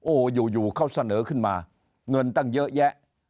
โอ้โหอยู่เขาเสนอขึ้นมาเงินตั้งเยอะแยะ